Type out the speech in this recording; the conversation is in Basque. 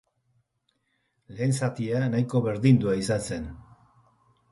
Lehen zatia nahiko berdindua izan zen.